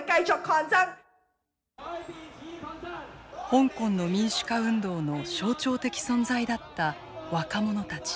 香港の民主化運動の象徴的存在だった若者たち。